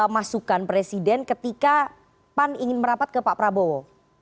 masukan presiden ketika pan ingin merapat ke pak prabowo